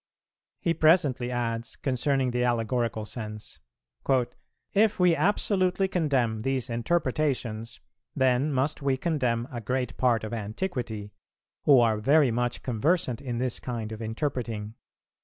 He presently adds concerning the allegorical sense: "If we absolutely condemn these interpretations, then must we condemn a great part of Antiquity, who are very much conversant in this kind of interpreting.